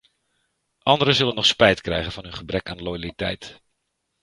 Anderen zullen nog spijt krijgen van hun gebrek aan loyaliteit.